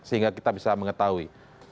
sehingga kita bisa mengetahui